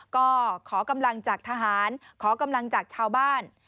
ก็ขอกำลังจากทหารขอกำลังจากชาวบ้าน